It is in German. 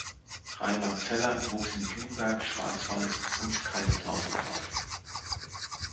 Reimar Zeller wuchs in Blumberg, Schwarzwald, und Kaiserslautern auf.